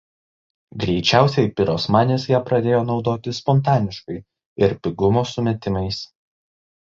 Greičiausiai Pirosmanis ją pradėjo naudoti spontaniškai ir pigumo sumetimais.